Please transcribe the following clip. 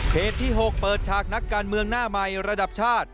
ที่๖เปิดฉากนักการเมืองหน้าใหม่ระดับชาติ